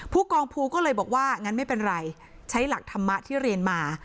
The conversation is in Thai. ผู้กองภูก็เลยบอกว่างั้นไม่เป็นไรใช้หลักธรรมะที่เรียนมา